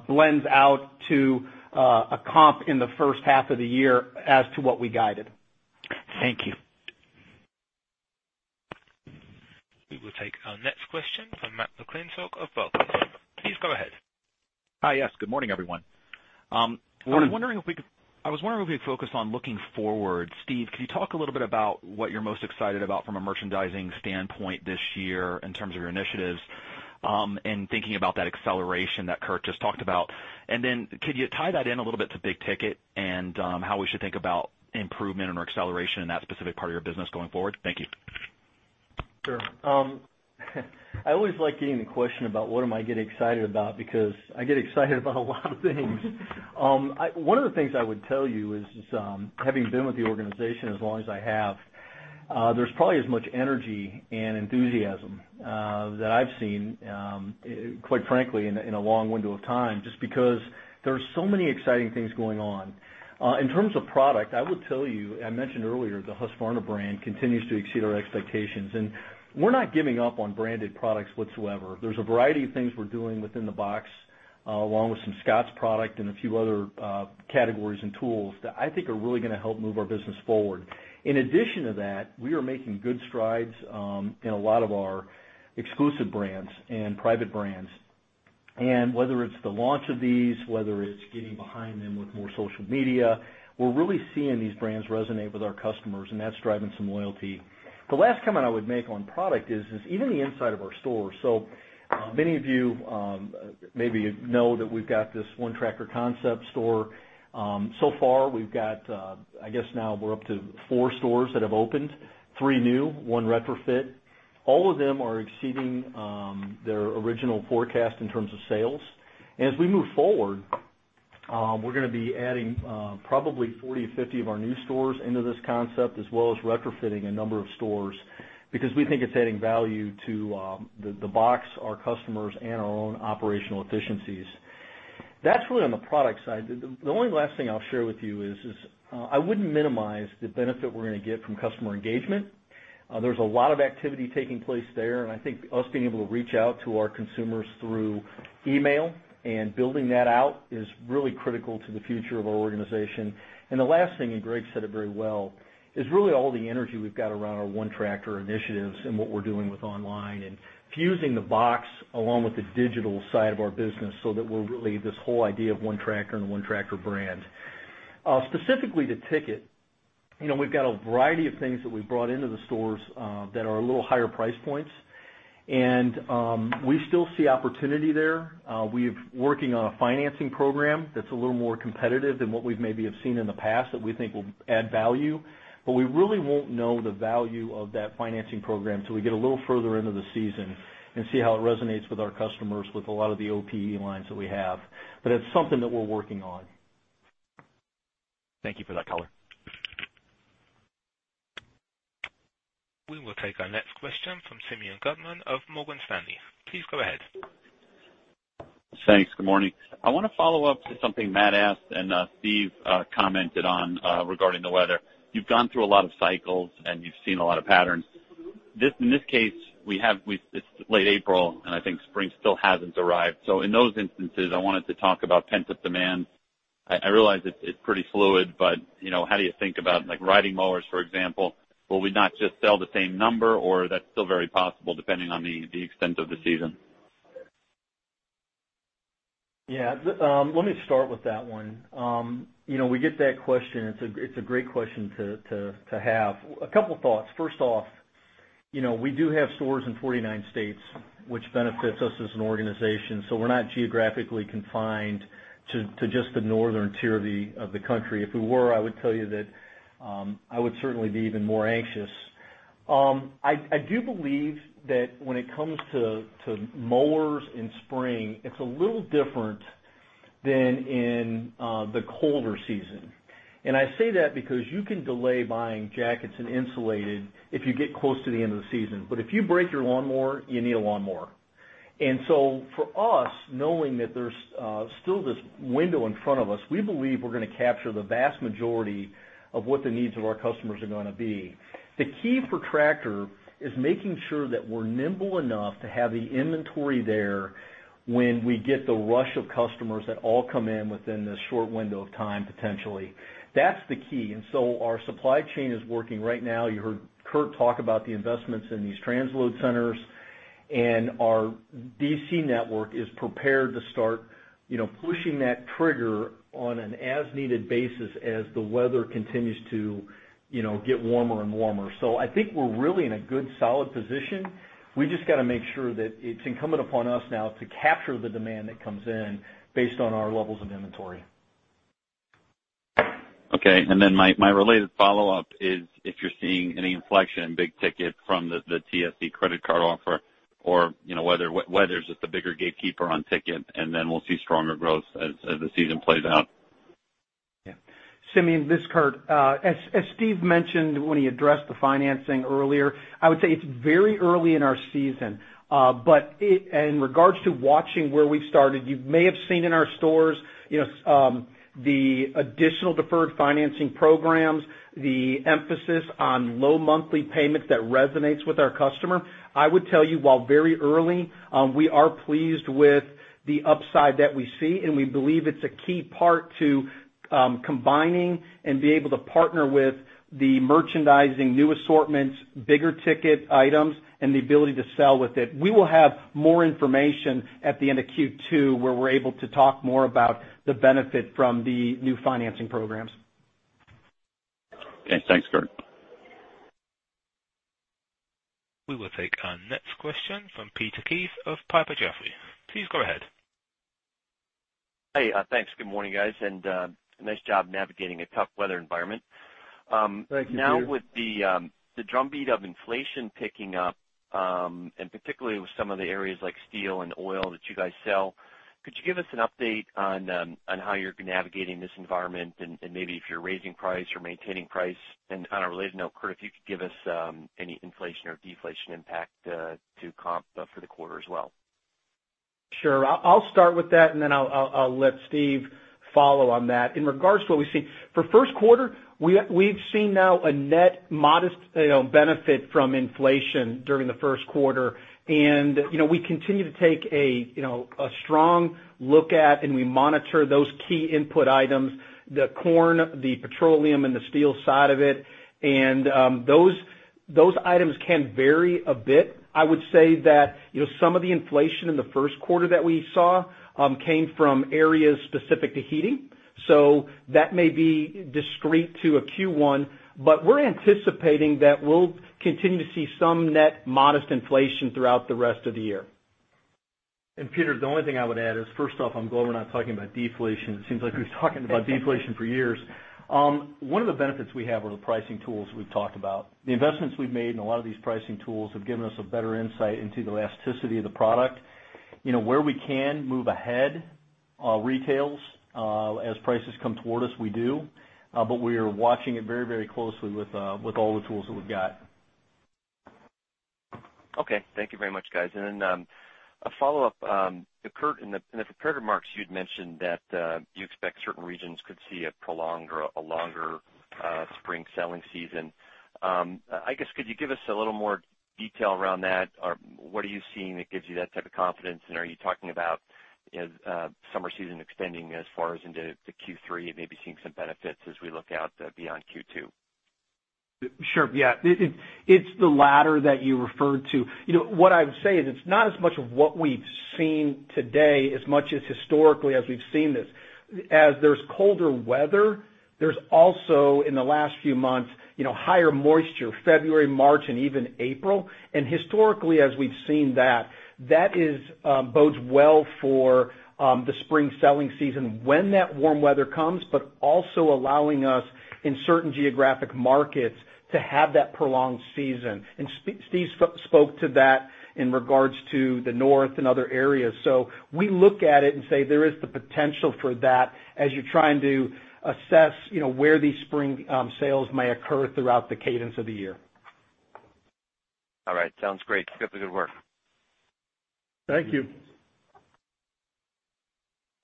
blends out to a comp in the first half of the year as to what we guided. Thank you. We will take our next question from Matthew McClintock of Barclays. Please go ahead. Hi. Yes. Good morning, everyone. I was wondering if we could focus on looking forward. Steve, can you talk a little bit about what you're most excited about from a merchandising standpoint this year in terms of your initiatives and thinking about that acceleration that Kurt just talked about? Then could you tie that in a little bit to big ticket and how we should think about improvement and our acceleration in that specific part of your business going forward? Thank you. Sure. I always like getting the question about what am I getting excited about because I get excited about a lot of things. One of the things I would tell you is, having been with the organization as long as I have, there's probably as much energy and enthusiasm that I've seen quite frankly in a long window of time, just because there are so many exciting things going on. In terms of product, I would tell you, I mentioned earlier, the Husqvarna brand continues to exceed our expectations. We're not giving up on branded products whatsoever. There's a variety of things we're doing within the box, along with some Scotts product and a few other categories and tools that I think are really going to help move our business forward. In addition to that, we are making good strides in a lot of our exclusive brands and private brands. Whether it's the launch of these, whether it's getting behind them with more social media, we're really seeing these brands resonate with our customers, and that's driving some loyalty. The last comment I would make on product is even the inside of our stores. Many of you maybe know that we've got this one Tractor concept store. Now we're up to four stores that have opened, three new, one retrofit. All of them are exceeding their original forecast in terms of sales. As we move forward, we're going to be adding probably 40 or 50 of our new stores into this concept, as well as retrofitting a number of stores because we think it's adding value to the box, our customers, and our own operational efficiencies. That's really on the product side. The only last thing I'll share with you is I wouldn't minimize the benefit we're going to get from customer engagement. There's a lot of activity taking place there. I think us being able to reach out to our consumers through email and building that out is really critical to the future of our organization. The last thing, Greg said it very well, is really all the energy we've got around our ONETractor initiatives and what we're doing with online and fusing the box along with the digital side of our business so that we're really this whole idea of ONETractor and ONETractor brand. Specifically to ticket, we've got a variety of things that we've brought into the stores that are a little higher price points, and we still see opportunity there. We're working on a financing program that's a little more competitive than what we maybe have seen in the past that we think will add value. But we really won't know the value of that financing program till we get a little further into the season and see how it resonates with our customers with a lot of the OPE lines that we have. It's something that we're working on. Thank you for that color. We will take our next question from Simeon Gutman of Morgan Stanley. Please go ahead. Thanks. Good morning. I want to follow up to something Matt asked and Steve commented on regarding the weather. You've gone through a lot of cycles, and you've seen a lot of patterns. In this case, it's late April, and I think spring still hasn't arrived. In those instances, I wanted to talk about pent-up demand. I realize it's pretty fluid, but how do you think about riding mowers, for example? Will we not just sell the same number, or that's still very possible, depending on the extent of the season? Yeah. Let me start with that one. We get that question. It's a great question to have. A couple thoughts. First off, we do have stores in 49 states, which benefits us as an organization. We're not geographically confined to just the northern tier of the country. If we were, I would tell you that I would certainly be even more anxious. I do believe that when it comes to mowers in spring, it's a little different than in the colder season. I say that because you can delay buying jackets and insulated if you get close to the end of the season. If you break your lawnmower, you need a lawnmower. For us, knowing that there's still this window in front of us, we believe we're going to capture the vast majority of what the needs of our customers are going to be. The key for Tractor is making sure that we're nimble enough to have the inventory there when we get the rush of customers that all come in within this short window of time, potentially. That's the key. Our supply chain is working right now. You heard Kurt talk about the investments in these transload centers, and our DC network is prepared to start pushing that trigger on an as-needed basis as the weather continues to get warmer and warmer. I think we're really in a good, solid position. We just got to make sure that it's incumbent upon us now to capture the demand that comes in based on our levels of inventory. Okay. My related follow-up is if you're seeing any inflection in big ticket from the TSC credit card offer or whether it's just a bigger gatekeeper on Ticket and then we'll see stronger growth as the season plays out. Yeah. Simeon, this is Kurt. As Steve mentioned when he addressed the financing earlier, I would say it's very early in our season. In regards to watching where we've started, you may have seen in our stores the additional deferred financing programs, the emphasis on low monthly payments that resonates with our customer. I would tell you, while very early, we are pleased with the upside that we see, and we believe it's a key part to combining and being able to partner with the merchandising new assortments, bigger ticket items, and the ability to sell with it. We will have more information at the end of Q2, where we're able to talk more about the benefit from the new financing programs. Okay. Thanks, Kurt. We will take our next question from Peter Keith of Piper Sandler. Please go ahead. Hey. Thanks. Good morning, guys. Nice job navigating a tough weather environment. Thank you, Peter. With the drumbeat of inflation picking up and particularly with some of the areas like steel and oil that you guys sell, could you give us an update on how you're navigating this environment and maybe if you're raising price or maintaining price? On a related note, Kurt, if you could give us any inflation or deflation impact to comp for the quarter as well. Sure. I'll start with that, then I'll let Steve follow on that. In regards to what we see, for first quarter, we've seen a net modest benefit from inflation during the first quarter, we continue to take a strong look at and we monitor those key input items, the corn, the petroleum, and the steel side of it. Those items can vary a bit. I would say that some of the inflation in the first quarter that we saw came from areas specific to heating. That may be discrete to a Q1, we're anticipating that we'll continue to see some net modest inflation throughout the rest of the year. Peter, the only thing I would add is, first off, I'm glad we're not talking about deflation. It seems like we've been talking about deflation for years. One of the benefits we have are the pricing tools we've talked about. The investments we've made in a lot of these pricing tools have given us a better insight into the elasticity of the product. Where we can move ahead, retails, as prices come toward us, we do, we are watching it very closely with all the tools that we've got. Okay. Thank you very much, guys. A follow-up. In the prepared remarks, you'd mentioned that you expect certain regions could see a prolonged or a longer spring selling season. I guess, could you give us a little more detail around that? What are you seeing that gives you that type of confidence, and are you talking about summer season extending as far as into Q3 and maybe seeing some benefits as we look out beyond Q2? Sure, yeah. It's the latter that you referred to. What I would say is it's not as much of what we've seen today as much as historically as we've seen this. As there's colder weather, there's also, in the last few months, higher moisture, February, March, and even April. Historically, as we've seen that bodes well for the spring selling season when that warm weather comes, but also allowing us, in certain geographic markets, to have that prolonged season. Steve spoke to that in regards to the North and other areas. We look at it and say there is the potential for that as you're trying to assess where these spring sales may occur throughout the cadence of the year. All right. Sounds great. Keep up the good work. Thank you.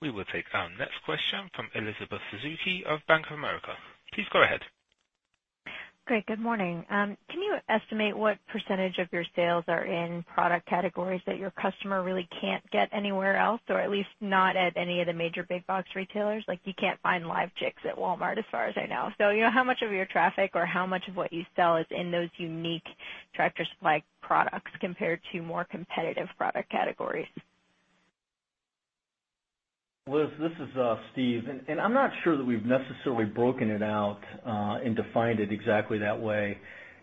We will take our next question from Elizabeth Suzuki of Bank of America. Please go ahead. Great. Good morning. Can you estimate what % of your sales are in product categories that your customer really can't get anywhere else, or at least not at any of the major big box retailers? Like, you can't find live chicks at Walmart as far as I know. How much of your traffic or how much of what you sell is in those unique Tractor Supply products compared to more competitive product categories? Liz, this is Steve. I'm not sure that we've necessarily broken it out and defined it exactly that way.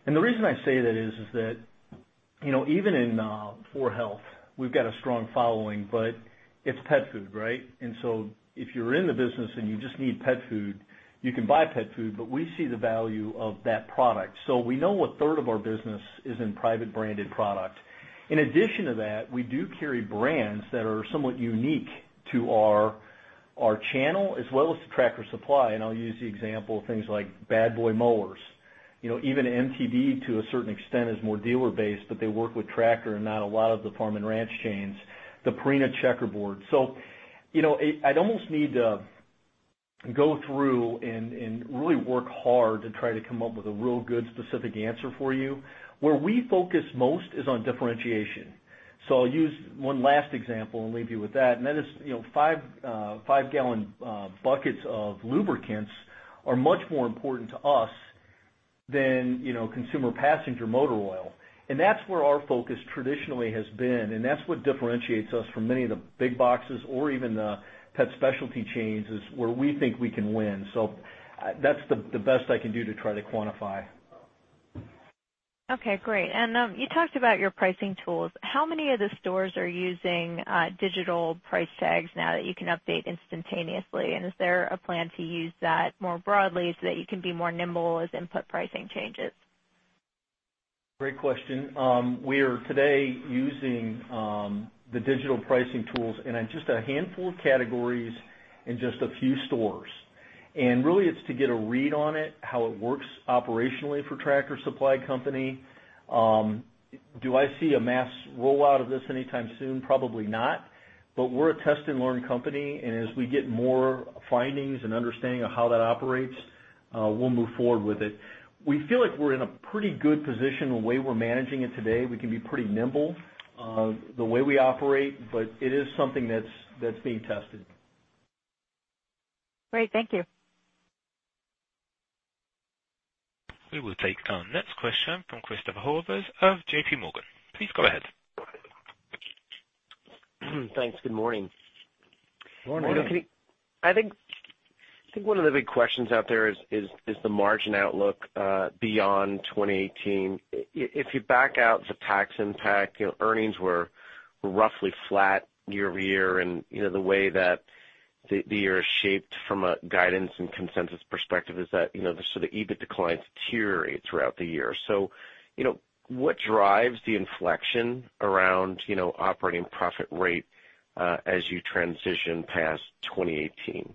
The reason I say that is that even in 4health, we've got a strong following, but it's pet food, right? If you're in the business and you just need pet food, you can buy pet food, but we see the value of that product. We know a third of our business is in private branded product. In addition to that, we do carry brands that are somewhat unique to our channel, as well as to Tractor Supply, and I'll use the example of things like Bad Boy Mowers. Even MTD, to a certain extent, is more dealer-based, but they work with Tractor and not a lot of the farm and ranch chains. The Purina Checkerboard. I'd almost need to go through and really work hard to try to come up with a real good specific answer for you. Where we focus most is on differentiation. I'll use one last example and leave you with that, and that is five-gallon buckets of lubricants are much more important to us than consumer passenger motor oil. That's where our focus traditionally has been, and that's what differentiates us from many of the big boxes or even the pet specialty chains, is where we think we can win. That's the best I can do to try to quantify. Okay, great. You talked about your pricing tools. How many of the stores are using digital price tags now that you can update instantaneously? Is there a plan to use that more broadly so that you can be more nimble as input pricing changes? Great question. We are today using the digital pricing tools in just a handful of categories in just a few stores. Really it's to get a read on it, how it works operationally for Tractor Supply Company. Do I see a mass rollout of this anytime soon? Probably not. We're a test-and-learn company, and as we get more findings and understanding of how that operates, we'll move forward with it. We feel like we're in a pretty good position the way we're managing it today. We can be pretty nimble the way we operate, but it is something that's being tested. Great. Thank you. We will take our next question from Christopher Horvers of J.P. Morgan. Please go ahead. Thanks. Good morning. Morning. I think one of the big questions out there is the margin outlook beyond 2018. If you back out the tax impact, earnings were roughly flat year-over-year and the way that the year is shaped from a guidance and consensus perspective is that the sort of EBIT declines deteriorate throughout the year. What drives the inflection around operating profit rate as you transition past 2018?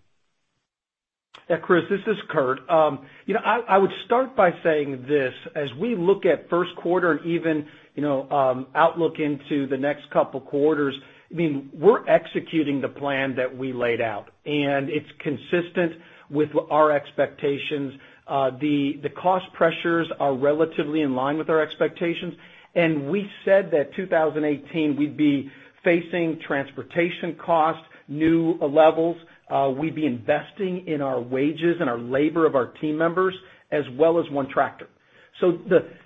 Yeah, Chris, this is Kurt. I would start by saying this. As we look at first quarter and even outlook into the next couple quarters, we're executing the plan that we laid out, and it's consistent with our expectations. The cost pressures are relatively in line with our expectations. We said that 2018, we'd be facing transportation cost, new levels. We'd be investing in our wages and our labor of our team members, as well as ONETractor.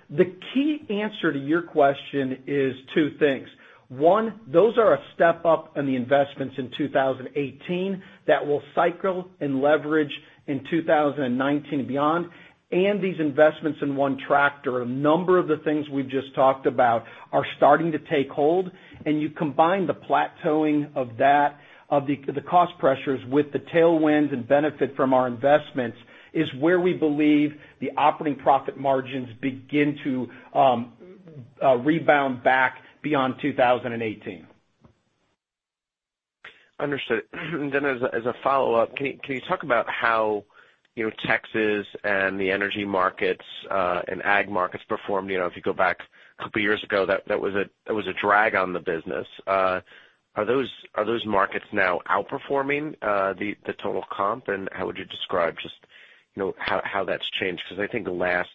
The key answer to your question is two things. One, those are a step up in the investments in 2018 that will cycle and leverage in 2019 and beyond. These investments in ONETractor, a number of the things we've just talked about are starting to take hold, and you combine the plateauing of the cost pressures with the tailwinds and benefit from our investments is where we believe the operating profit margins begin to rebound back beyond 2018. Understood. As a follow-up, can you talk about how Texas and the energy markets, and ag markets performed? If you go back a couple of years ago, that was a drag on the business. Are those markets now outperforming the total comp? How would you describe just how that's changed? Because I think the last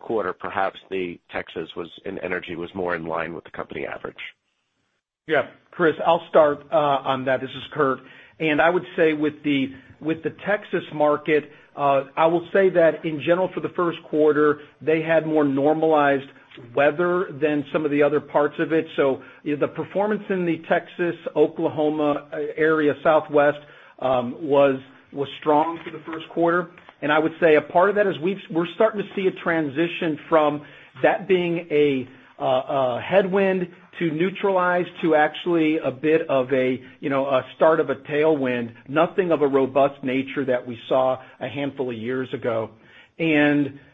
quarter, perhaps the Texas was, and energy was more in line with the company average. Yeah. Chris, I'll start on that. This is Kurt. I would say with the Texas market, I will say that in general for the first quarter, they had more normalized weather than some of the other parts of it. The performance in the Texas, Oklahoma area, Southwest, was strong for the first quarter. I would say a part of that is we're starting to see a transition from that being a headwind to neutralized to actually a bit of a start of a tailwind. Nothing of a robust nature that we saw a handful of years ago.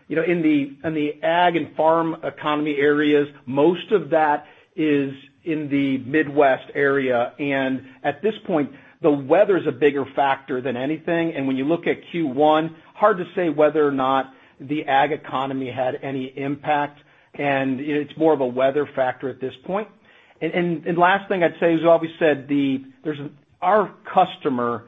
In the ag and farm economy areas, most of that is in the Midwest area, and at this point, the weather's a bigger factor than anything. When you look at Q1, hard to say whether or not the ag economy had any impact, and it's more of a weather factor at this point. Last thing I'd say, as Bobby said, our customer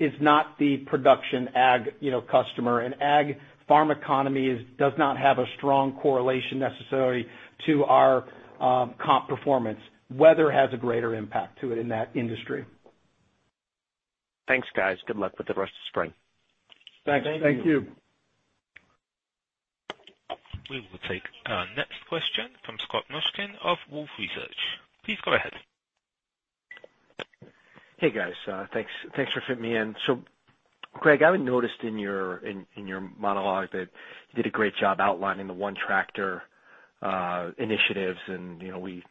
is not the production ag customer. An ag farm economy does not have a strong correlation necessarily to our comp performance. Weather has a greater impact to it in that industry. Thanks, guys. Good luck with the rest of spring. Thanks. Thank you. We will take our next question from Scott Mushkin of Wolfe Research. Please go ahead. Hey, guys. Thanks for fitting me in. Greg, I noticed in your monologue that you did a great job outlining the ONETractor initiatives, and we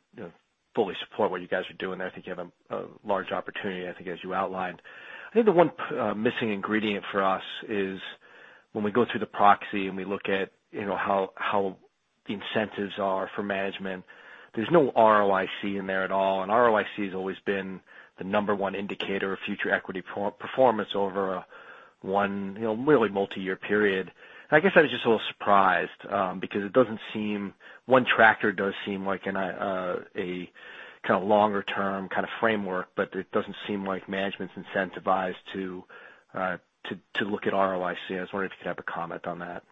fully support what you guys are doing. I think you have a large opportunity, I think as you outlined. I think the one missing ingredient for us is when we go through the proxy and we look at how the incentives are for management, there's no ROIC in there at all, and ROIC has always been the number one indicator of future equity performance over one really multi-year period. I guess I was just a little surprised, because it doesn't seem ONETractor does seem like a kind of longer-term kind of framework, but it doesn't seem like management's incentivized to look at ROIC. I was wondering if you could have a comment on that.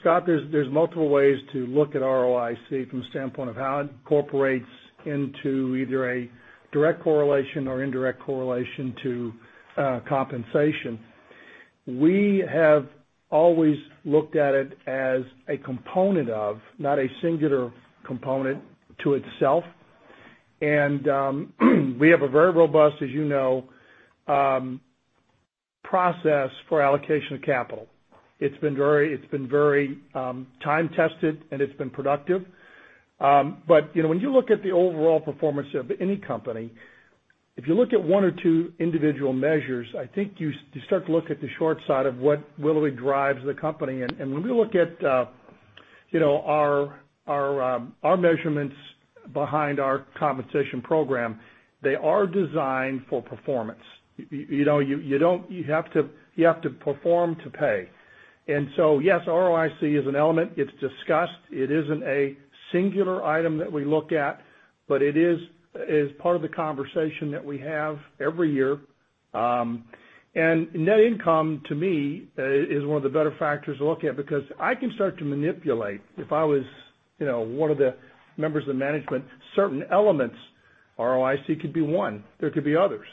Scott, there's multiple ways to look at ROIC from the standpoint of how it incorporates into either a direct correlation or indirect correlation to compensation. We have always looked at it as a component of, not a singular component to itself. We have a very robust, as you know, process for allocation of capital. It's been very time-tested, and it's been productive. When you look at the overall performance of any company, if you look at one or two individual measures, I think you start to look at the short side of what really drives the company. When we look at our measurements behind our compensation program, they are designed for performance. You have to perform to pay. Yes, ROIC is an element, it's discussed. It isn't a singular item that we look at, but it is part of the conversation that we have every year. Net income, to me, is one of the better factors to look at because I can start to manipulate if I was one of the members of management, certain elements. ROIC could be one. There could be others.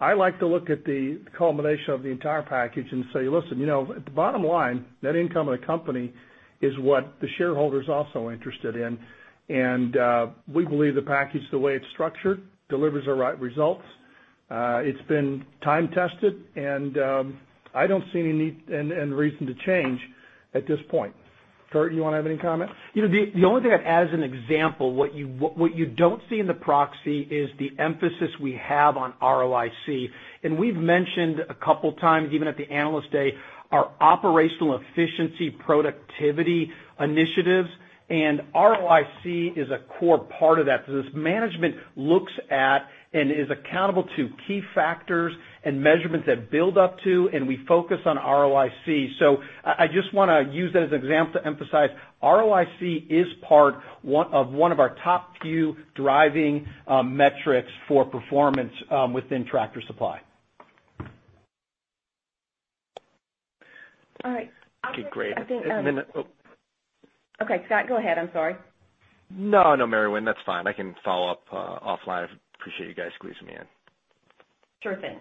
I like to look at the culmination of the entire package and say, "Listen, at the bottom line, net income of the company is what the shareholder's also interested in." We believe the package, the way it's structured, delivers the right results. It's been time tested, and I don't see any need and reason to change at this point. Kurt, you want to have any comment? The only thing I'd add as an example, what you don't see in the proxy is the emphasis we have on ROIC. We've mentioned a couple times, even at the Analyst Day, our operational efficiency productivity initiatives, and ROIC is a core part of that. As management looks at and is accountable to key factors and measurements that build up to, we focus on ROIC. I just want to use that as an example to emphasize ROIC is part of one of our top few driving metrics for performance within Tractor Supply. All right. Okay, great. I think- Oh. Okay. Scott, go ahead. I'm sorry. No, Mary Winn, that's fine. I can follow up offline. Appreciate you guys squeezing me in. Sure thing.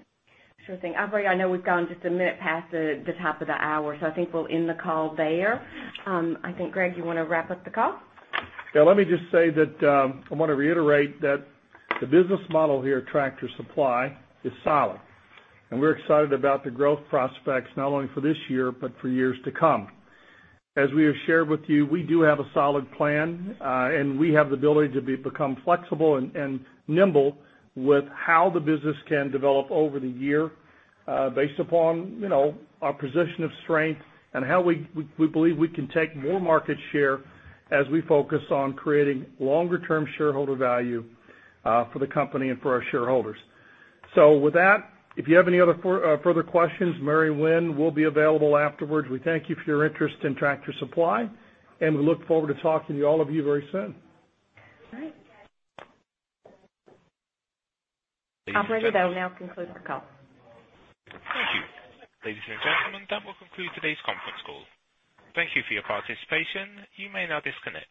Operator, I know we've gone just a minute past the top of the hour, so I think we'll end the call there. I think, Greg, you want to wrap up the call? Yeah, let me just say that I want to reiterate that the business model here at Tractor Supply is solid, and we're excited about the growth prospects not only for this year, but for years to come. As we have shared with you, we do have a solid plan, and we have the ability to become flexible and nimble with how the business can develop over the year, based upon our position of strength and how we believe we can take more market share as we focus on creating longer term shareholder value for the company and for our shareholders. With that, if you have any other further questions, Mary Winn will be available afterwards. We thank you for your interest in Tractor Supply, and we look forward to talking to all of you very soon. All right. Operator, we'll now conclude the call. Thank you. Ladies and gentlemen, that will conclude today's conference call. Thank you for your participation. You may now disconnect.